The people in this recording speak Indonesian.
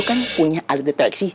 aku kan punya alat deteksi